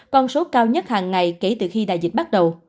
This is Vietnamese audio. con số cao nhất hàng ngày kể từ khi đại dịch bắt đầu